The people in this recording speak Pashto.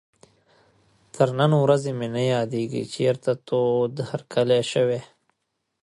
تر نن ورځې مې نه یادېږي چېرته تود هرکلی شوی.